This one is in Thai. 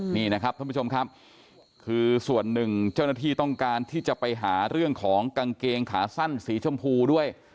นี่นะครับท่านผู้ชมครับคือส่วนหนึ่งเจ้าหน้าที่ต้องการที่จะไปหาเรื่องของกางเกงขาสั้นสีชมพูด้วย